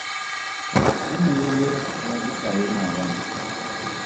E ne e le la bokae maabane?